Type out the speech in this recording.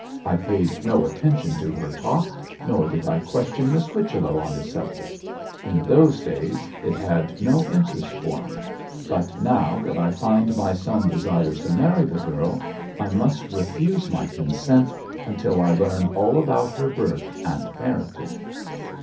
I paid no attention to her talk, nor did I question Miss Whichello on the subject. In those days it had no interest for me, but now that I find my son desires to marry the girl, I must refuse my consent until I learn all about her birth and parentage.'